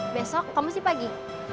besok kamu sih pagi